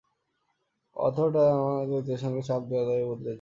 অর্থটা আমার চরিত্রের সাথে ছাপ দেয়া, তাই বদলেছি।